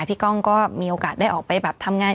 กล้องก็มีโอกาสได้ออกไปแบบทำงาน